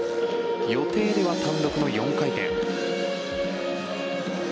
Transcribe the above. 予定では単独の４回転。